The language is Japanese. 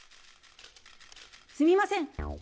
すみません。